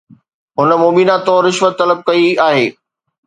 هن مبينا طور رشوت طلب ڪئي آهي